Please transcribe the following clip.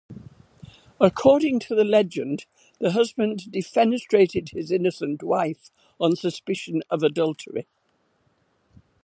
According to the legend, the husband defenestrated his innocent wife on suspicion of adultery.